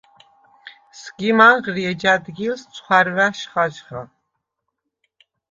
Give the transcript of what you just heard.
სგიმ ანღრი, ეჯ ა̈დგილს ცხვარვა̈შ ხაჟხა.